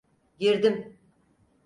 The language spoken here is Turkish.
Girdim.